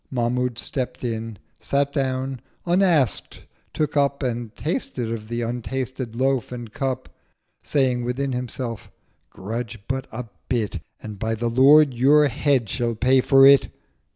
Mahmud stept in—sat down—unask'd took up And tasted of the untasted Loaf and Cup, Saying within himself, 'Grudge but a bit, 1060 And, by the Lord, your Head shall pay for it!'